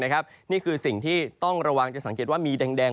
นี่คือสิ่งที่ต้องระวังจะสังเกตว่ามีแดง